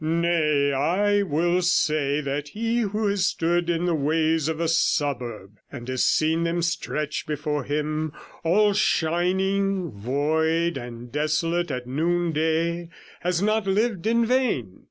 Nay, I will say that he who has stood in the ways of a suburb, and has seen them stretch before him all shining, void, and desolate at noonday, has not lived in vain.